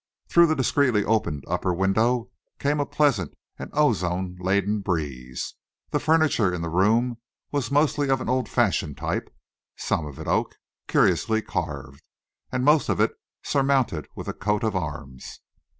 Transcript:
Through the discreetly opened upper window came a pleasant and ozone laden breeze. The furniture in the room was mostly of an old fashioned type, some of it of oak, curiously carved, and most of it surmounted with a coat of arms.